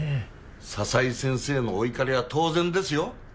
佐々井先生のお怒りは当然ですよ。